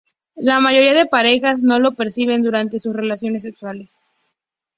La mayoría de parejas no lo perciben durante sus relaciones sexuales.